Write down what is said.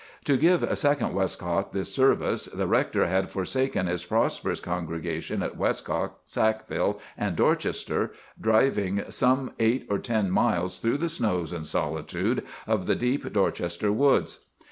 To give Second Westcock this service, the rector had forsaken his prosperous congregations at Westcock, Sackville, and Dorchester, driving some eight or ten miles through the snows and solitude of the deep Dorchester woods.